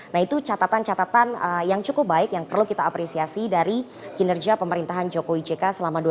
nah itu catatan catatan yang cukup baik yang perlu kita apresiasi dari kinerja pemerintahan jokowi jk selama dua ribu empat belas hingga dua ribu delapan belas